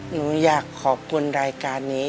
หนูอยากขอบคุณรายการนี้